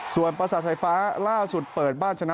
ส่วนประสาทไฟฟ้าล่าสุดเปิดบ้านชนะ